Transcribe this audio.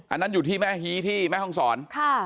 อันนั้นอยู่ที่แม่ฮีที่แม่ห้องศร